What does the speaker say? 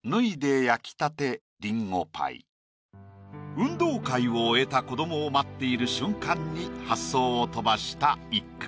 運動会を終えた子供を待っている瞬間に発想を飛ばした一句。